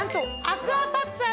アクアパッツァ？